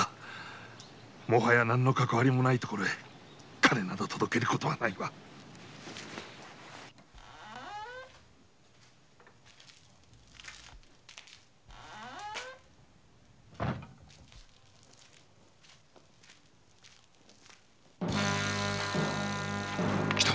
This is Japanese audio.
もはや何のかかわりもない所へ金など届けることはないわ！来たぞ。